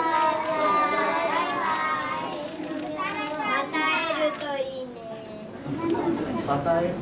また会えるといいね。